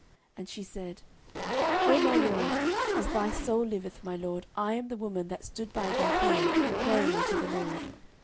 09:001:026 And she said, Oh my lord, as thy soul liveth, my lord, I am the woman that stood by thee here, praying unto the LORD.